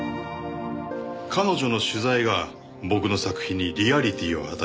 彼女の取材が僕の作品にリアリティーを与えてくれた。